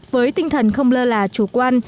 với tinh thần không lơ là chủ quan